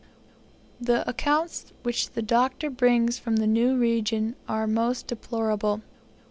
The accounts which the Doctor brings from that new region are most deplorable.